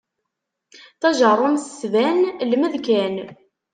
Tajerrumt tban lmed kan.